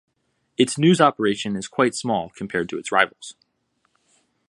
Its news operation is quite small compared to its rivals.